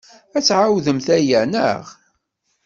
Ad tɛeḍemt aya, naɣ?